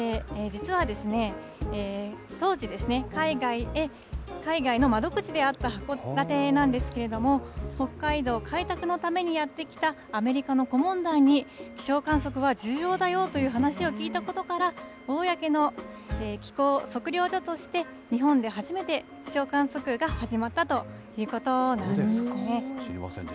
実はですね、当時、海外の窓口であった函館なんですけど、北海道開拓のためにやって来たアメリカの顧問団に気象観測は重要だよという話を聞いたことから、公の気候測量所として日本で初めて気象観測が始まったということなんですね。